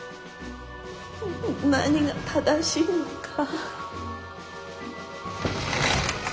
何が正しいのか。